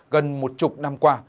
gần một chục năm qua